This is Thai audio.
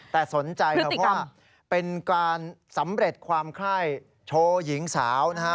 แต่สนใจมาเพราะว่าเป็นการสำเร็จความไข้โชว์หญิงสาวนะฮะ